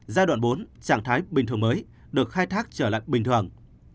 giai đoạn bốn trạng thái bình thường mới được khai thác trở lại bình thường